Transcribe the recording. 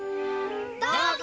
どうぞ！